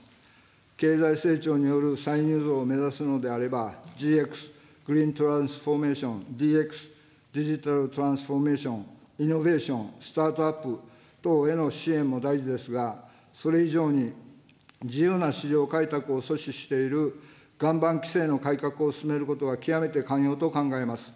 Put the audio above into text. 経済成長による歳入増を目指すのであれば、ＧＸ・グリーントランスフォーメーション、ＤＸ・デジタルトランスフォーメーション、イノベーション、スタートアップ等への支援も大事ですが、それ以上に自由な市場開拓を阻止している岩盤規制の改革を進めることは極めて肝要と考えます。